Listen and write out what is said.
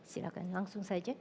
silahkan langsung saja